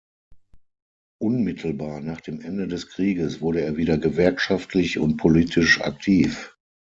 Unmittelbar nach dem Ende des Krieges wurde er wieder gewerkschaftlich und politisch aktiv.